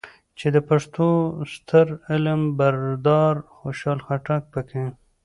چې د پښتو ستر علم بردار خوشحال خټک پکې